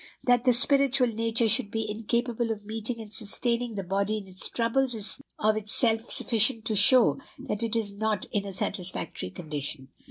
That the spiritual nature should be incapable of meeting and sustaining the body in its troubles is of itself sufficient to show that it is not in a satisfactory condition.